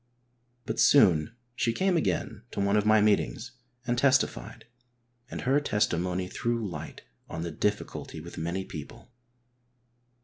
But soon she came again to one of my meetings and testified, and her testimony threw light on the difficulty with many people.